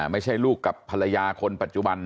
ไม่ใช่ลูกกับภรรยาคนปัจจุบัน